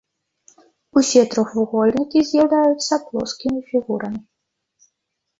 Усе трохвугольнікі з'яўляюцца плоскімі фігурамі.